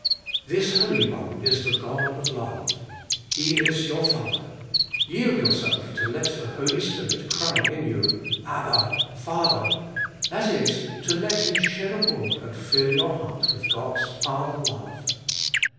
3. This Holy One is the God of Loue. He is your Father ; yield yourself to let the Holy Spirit cry in you, Abba Father! that is, to let Him shed abroad and fill your heart with God's father love.